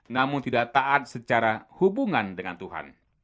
namun tidak taat secara hubungan dengan tuhan